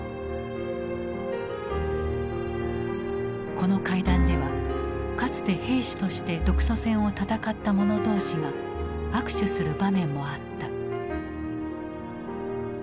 この会談ではかつて兵士として独ソ戦を戦った者同士が握手する場面もあった。